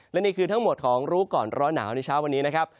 และนี่คือทั้งหมดของรู้ก่อนร้อนหนาวในเช้าวันนี้นะครับ